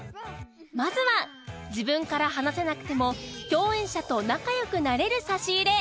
まずは自分から話せなくても共演者と仲良くなれる差し入れ